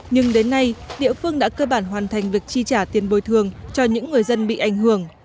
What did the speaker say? nhưng đến nay địa phương đã cơ bản hoàn thành việc chi trả tiền bồi thường cho những người dân bị ảnh hưởng